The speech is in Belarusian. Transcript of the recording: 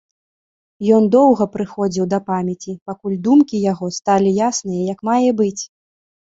Ён доўга прыходзіў да памяці, пакуль думкі яго сталі ясныя як мае быць.